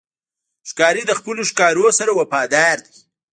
ښکاري د خپلو ښکارونو سره وفادار دی.